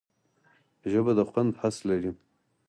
ژبه د خوند حس لري